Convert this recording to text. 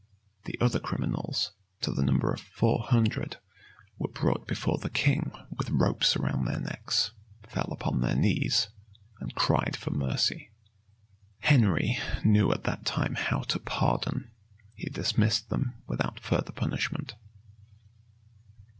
The other criminals, to the number of four hundred, were brought before the king with ropes about their necks, fell upon their knees, and cried for mercy. Henry knew at that time how to pardon; he dismissed them without further punishment.